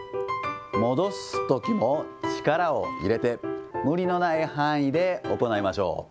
戻すときも力を入れて、無理のない範囲で行いましょう。